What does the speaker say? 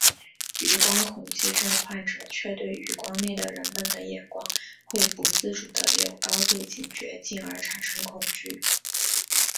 余光恐惧症患者却对余光内的人们的眼光会不自主的有高度警觉进而产生了恐惧。